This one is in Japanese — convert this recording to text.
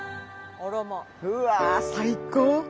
うわ最高！